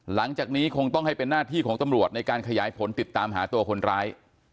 หลังจากนี้คงต้องให้เป็นหน้าที่ของตำรวจในการขยายผลติดตามหาตัวคนร้าย